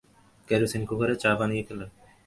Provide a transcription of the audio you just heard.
Kerosene কুকারে চা বানিয়ে খেলেন।